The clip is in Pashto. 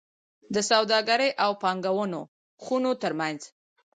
د سوداګرۍ او پانګونو خونو ترمنځ